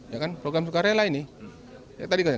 ya kan program sukarela ini